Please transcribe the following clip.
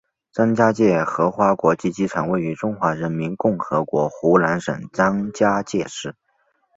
张家界荷花国际机场位于中华人民共和国湖南省张家界市。